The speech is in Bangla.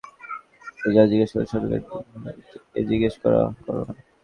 তোর যা জিজ্ঞেস করার সরাসরি ডিম্পলকে গিয়ে জিজ্ঞেস কর না!